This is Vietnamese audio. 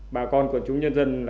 bà con của chúng nhân dân